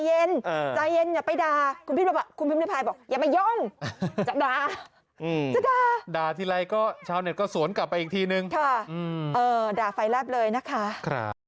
เออด่าไฟรับเลยนะคะ